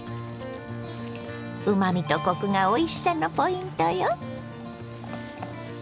うまみとコクがおいしさのポイントよ。